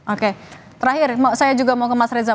oke terakhir saya juga mau ke mas reza